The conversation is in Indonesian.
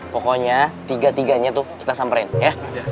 pokoknya tiga tiganya tuh kita samperin ya